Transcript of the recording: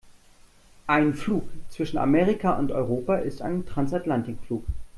Ein Flug zwischen Amerika und Europa ist ein Transatlantikflug.